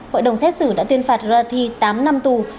hội đồng xét xử đã tuyên phạt rolati tám năm tù